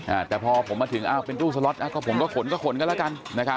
อ่าแต่พอผมมาถึงอ้าวเป็นตู้สล็อตอ่ะก็ผมก็ขนก็ขนกันแล้วกันนะครับ